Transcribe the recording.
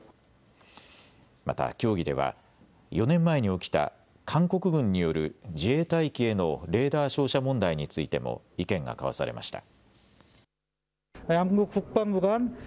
また協議では４年前に起きた韓国軍による自衛隊機へのレーダー照射問題についても意見が交わされました。